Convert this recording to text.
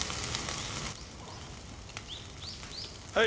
はい。